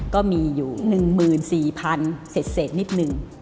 ก็มีอยู่๑๔๐๐๐เสร็จนิดหนึ่ง